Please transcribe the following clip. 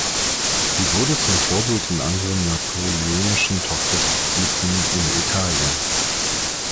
Sie wurde zum Vorbild in anderen napoleonischen Tochterrepubliken in Italien.